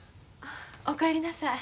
お帰りなさい。